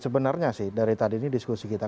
sebenarnya sih dari tadi ini diskusi kita